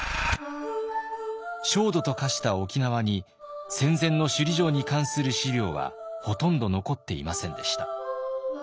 焦土と化した沖縄に戦前の首里城に関する資料はほとんど残っていませんでした。